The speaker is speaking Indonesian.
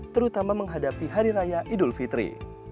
terutama menghadapi hari raya idul fitri